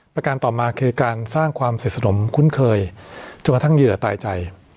ประการต่อมาคือการสร้างความเสร็จสนมคุ้นเคยจนกระทั่งเหยื่อตายใจ